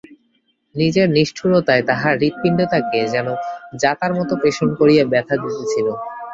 নিজের নিষ্ঠুরতায় তাহার হৃৎপিণ্ডটাকে যেন জাঁতার মতো পেষণ করিয়া ব্যথা দিতেছিল।